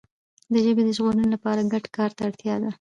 د ژبي د ژغورنې لپاره ګډ کار ته اړتیا ده.